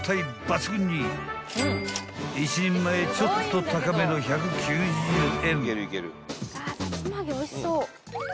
［１人前ちょっと高めの１９０円］